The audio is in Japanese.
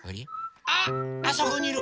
あっあそこにいる！